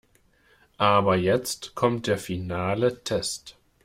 Aber jetzt kommt der finale Test.